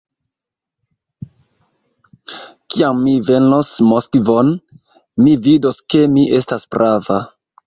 Kiam vi venos Moskvon, vi vidos, ke mi estas prava.